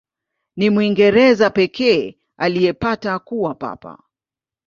Ni Mwingereza pekee aliyepata kuwa Papa.